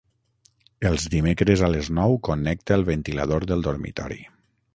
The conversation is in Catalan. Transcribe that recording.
Els dimecres a les nou connecta el ventilador del dormitori.